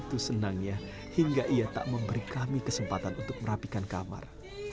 dan itu senangnya hingga ia tak memberi kami kesempatan untuk merapikan kamar